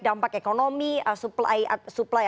dampak ekonomi supply